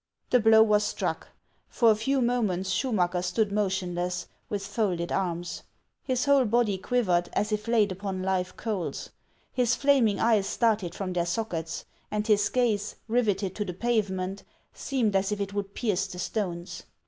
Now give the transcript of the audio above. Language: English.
The blow was struck. For a few moments Schumacker stood motionless, with folded arms ; his whole body quiv ered as if laid upon live coals ; his flaming eyes started from their sockets ; and his gaze, riveted to the pavement, seemed as if it would pierce the stones.